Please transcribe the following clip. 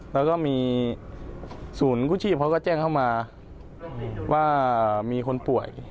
แล้วก็มีศูนย์กู้ชีพเขาก็แจ้งเข้ามาว่ามีคนป่วย